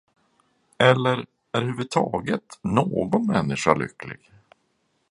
Eller är överhuvudtaget någon människa lycklig.